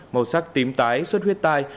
màu sắc tím tái xuất huyết tai